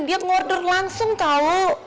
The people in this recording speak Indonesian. dia ngoder langsung tahu